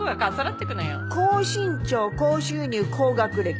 高身長高収入高学歴。